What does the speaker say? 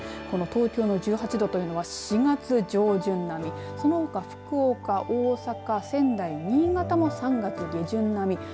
この東京の１８度というのは４月上旬並みそのほか福岡、大阪、仙台新潟も３月下旬並み。